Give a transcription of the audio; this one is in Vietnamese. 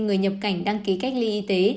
người nhập cảnh đăng ký cách ly y tế